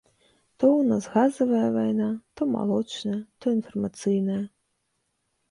То ў нас газавая вайна, то малочная, то інфармацыйная.